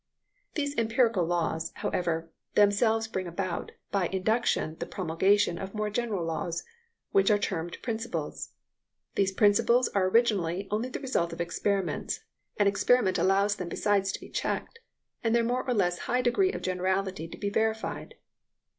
These empirical laws, however, themselves bring about by induction the promulgation of more general laws, which are termed principles. These principles are originally only the results of experiments, and experiment allows them besides to be checked, and their more or less high degree of generality to be verified.